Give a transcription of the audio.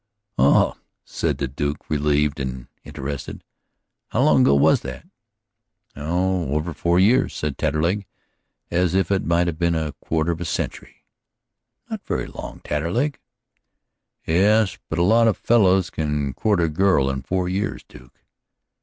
"Oh," said the Duke, relieved and interested. "How long ago was that?" "Over four years," sighed Taterleg, as if it might have been a quarter of a century. "Not so very long, Taterleg." "Yes, but a lot of fellers can court a girl in four years, Duke."